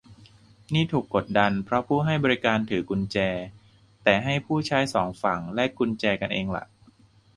นี่ถูกกดดันเพราะผู้ให้บริการถือกุญแจ แต่ให้ผู้ใช้สองฝั่งแลกกุญแจกันเองล่ะ